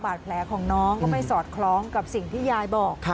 แผลของน้องก็ไม่สอดคล้องกับสิ่งที่ยายบอก